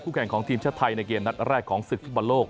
คู่แข่งของทีมชาติไทยในเกมนัดแรกของศึกษ์ธุรกษ์โลก